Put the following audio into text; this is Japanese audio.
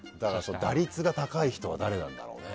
打率が高い人は誰なんだろうね。